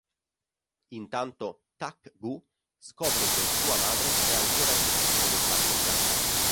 Intanto, Tak-gu scopre che sua madre è ancora viva e lo sta cercando.